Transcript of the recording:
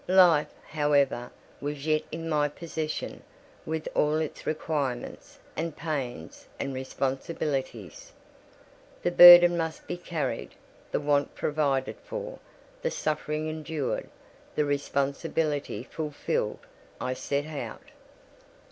Life, however, was yet in my possession, with all its requirements, and pains, and responsibilities. The burden must be carried; the want provided for; the suffering endured; the responsibility fulfilled. I set out.